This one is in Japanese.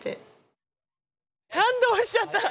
感動しちゃった！